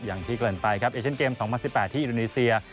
อย่างที่เกินไปครับเอเชนเกม๒๐๑๘ที่อินโดนีเซีย